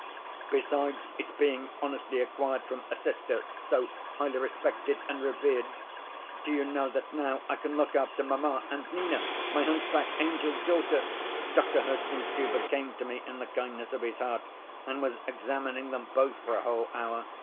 "Besides its being honestly acquired from a 'sister,' so highly respected and revered, do you know that now I can look after mamma and Nina, my hunchback angel daughter? Doctor Herzenstube came to me in the kindness of his heart and was examining them both for a whole hour.